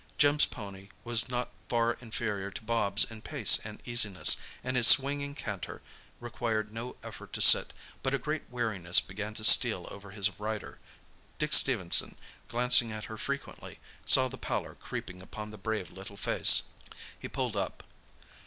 Jim's pony was not far inferior to Bobs in pace and easiness, and his swinging canter required no effort to sit, but a great weariness began to steal over his rider. Dick Stephenson, glancing at her frequently, saw the pallor creeping upon the brave little face. He pulled up.